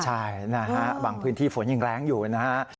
ใช่นะฮะบางพื้นที่ฝนยังแรงอยู่นะฮะ